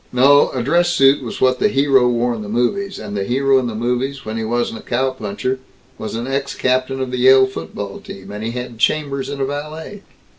No; a dress suit was what the hero wore in the movies; and the hero in the movies, when he wasn't a cowpuncher, was an ex captain of the Yale football team, and had chambers and a valet.